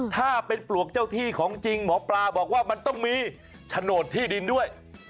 ถ้าเป็นปลวกเจ้าที่ของจริงหมอปลาบอกว่ามันต้องมีโฉนดที่ดินด้วย